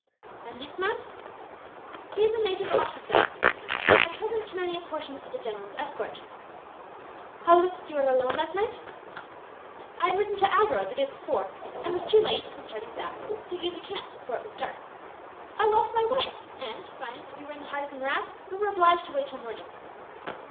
"And this man?" "He is a native officer, at present commanding a portion of the general's escort." "How was it that you were alone, last night?" "I had ridden to Agra, the day before; and was too late, in starting back, to gain the camp before it was dark. I lost my way and, finding that we were in the heart of the morass, we were obliged to wait till morning."